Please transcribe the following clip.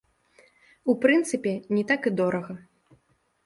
У прынцыпе, не так і дорага.